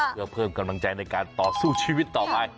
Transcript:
เพื่อเพิ่มกำลังใจในการต่อสู้ชีวิตต่อไป